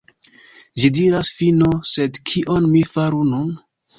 Ĝi diras "fino", sed kion mi faru nun?